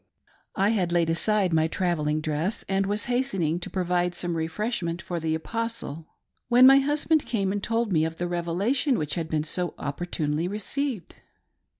I had laid aside my travelling dress, and was hastening to provide some refreshment for the Apostle, when my husband came and told me of the revelation which had been so oppor t tunely received.